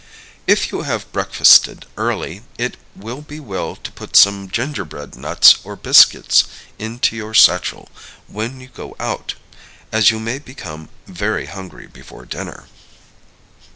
If you have breakfasted early, it will be well to put some gingerbread nuts or biscuits into your satchel when you go out, as you may become very hungry before dinner.